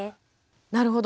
なるほど。